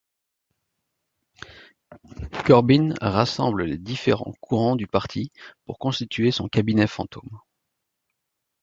Corbyn rassemble les différents courants du parti pour constituer son Cabinet fantôme.